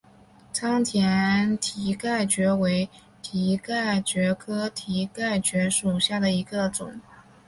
仓田蹄盖蕨为蹄盖蕨科蹄盖蕨属下的一个种。